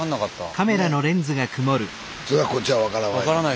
そりゃこっちは分からない。